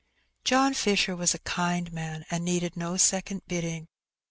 John Fisher was a kind man, and needed no second bidding.